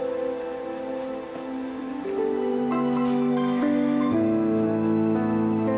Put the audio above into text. ibu perhatian kamu di situ